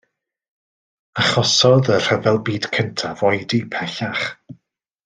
Achosodd y Rhyfel Byd Cyntaf oedi pellach.